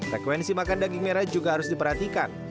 frekuensi makan daging merah juga harus diperhatikan